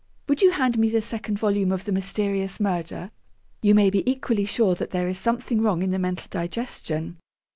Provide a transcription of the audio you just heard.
Would you hand me the second volume of "The Mysterious Murder"?' you may be equally sure that there is something wrong in the mental digestion.